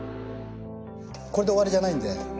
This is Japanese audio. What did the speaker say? これで終わりじゃないんで。